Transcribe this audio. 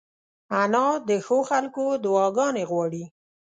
انا د ښو خلکو دعاګانې غواړي